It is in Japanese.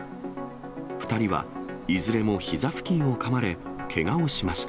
２人はいずれもひざ付近をかまれ、けがをしました。